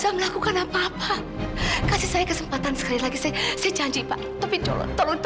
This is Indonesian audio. jangan beri semua rahasia ibu